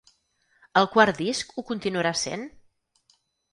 El quart disc ho continuarà sent?